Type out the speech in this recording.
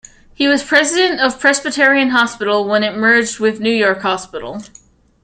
He was president of Presbyterian Hospital when it merged with New York Hospital.